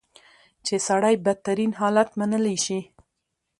چې سړی بدترین حالت منلی شي.